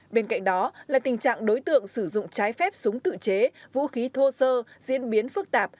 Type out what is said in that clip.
bên cạnh đó là tình trạng đối tượng sử dụng trái phép súng tự chế vũ khí thô sơ diễn biến phức tạp